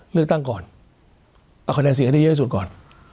เลือกตั้งก่อนเอาคะแนนสินค้าที่เยอะสุดก่อน